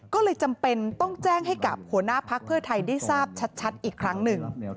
ก็เลยจำเป็นต้องแจ้งให้กับหัวหน้าพักเพื่อไทยได้ทราบชัดอีกครั้งหนึ่ง